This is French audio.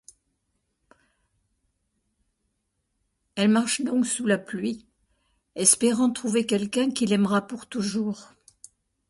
Elle marche donc sous la pluie, espérant trouver quelqu'un qui l'aimera pour toujours.